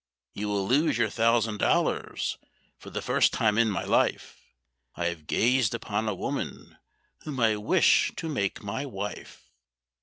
You will lose your thousand dollars. For the first time in my life I have gazed upon a woman whom I wish to make my wife."